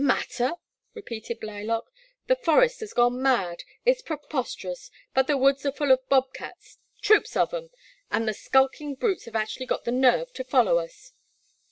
*' Matter !" repeated Blylock, *' the forest has gone mad — ^it 's preposterous, but the woods are full of bob cats, troops of 'em, and the skulking brutes have actually got the nerve to follow us."